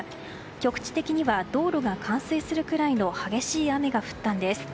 局地的には道路が冠水するくらいの激しい雨が降ったんです。